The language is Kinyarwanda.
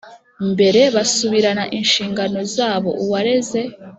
Mbere basubirana inshingano zabo uwareze